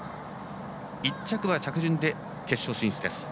１着は着順で決勝進出。